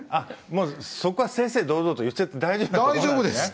もうそこは正々堂々と言っちゃって大丈夫なとこなんですね。